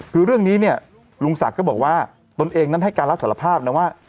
คือเรื่องนี้เนี่ยลุงศักดิ์ก็บอกว่าตนเองนั้นให้การรับสารภาพนะว่า